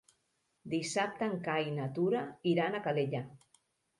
Dissabte en Cai i na Tura iran a Calella.